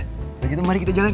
sudah gitu mari kita jalan